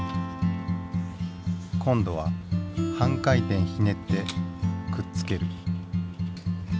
今度は半回転ひねってくっつける。